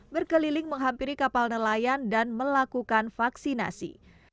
berkeliling menghampiri kapal nelayan dan melakukan vaksinasi